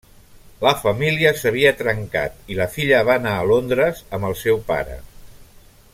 La família s'havia trencat i la filla va anar a Londres amb el seu pare.